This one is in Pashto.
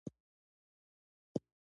ژورنالیستان باید د ژبې معیار وساتي.